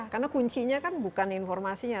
karena kuncinya kan bukan informasinya